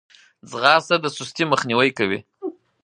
ځغاسته د سستي مخنیوی کوي